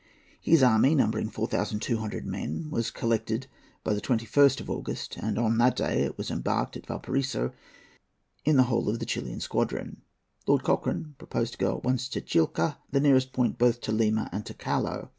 His army, numbering four thousand two hundred men, was collected by the 21st of August, and on that day it was embarked at Valparaiso in the whole Chilian squadron. Lord Cochrane proposed to go at once to Chilca, the nearest point both to Lima and to Callao.